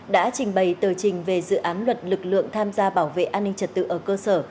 đã trình bày tờ trình về dự án luật lực lượng tham gia bảo vệ an ninh trật tự ở cơ sở